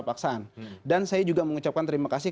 paksaan dan saya juga mengucapkan terima kasih